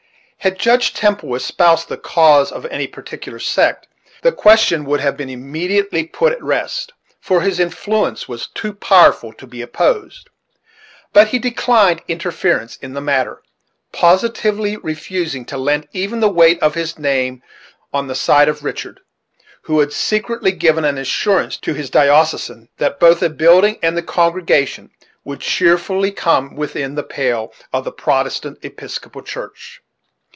Had Judge Temple espoused the cause of any particular sect, the question would have been immediately put at rest, for his influence was too powerful to be opposed; but he declined interference in the matter, positively refusing to lend even the weight of his name on the side of Richard, who had secretly given an assurance to his diocesan that both the building and the congregation would cheerfully come within the pale of the Protestant Episcopal Church.